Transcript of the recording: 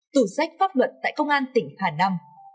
tủ sách pháp luật tại công an tỉnh hà nam